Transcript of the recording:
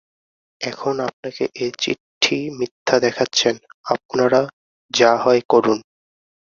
এখন আপনাকে এ চিঠি মিথ্যা দেখাচ্ছেন– আপনরা যা হয় করুন।